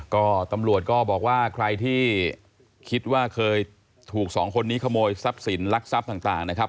ก็ตำรวจก็บอกว่าใครที่คิดว่าเคยถูกสองคนนี้ขโมยทรัพย์สินลักทรัพย์ต่างนะครับ